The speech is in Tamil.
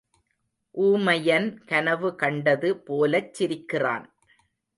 ஊமையன் கனவு கண்டது போலச் சிரிக்கிறான்.